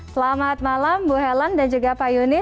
selamat malam bu helen dan juga pak yuni